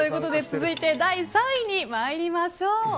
続いて第３位に参りましょう。